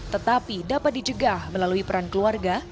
tetapi dapat dijegah melalui peran keluarga